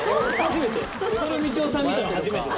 こんなみちおさん見たの初めて。